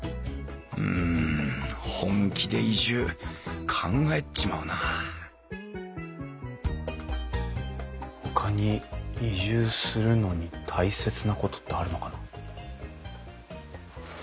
うん本気で移住考えちまうなほかに移住するのに大切なことってあるのかな？